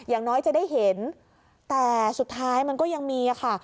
อย่างน้อยจะได้เห็นแต่สุดท้ายมันก็ยังมีค่ะ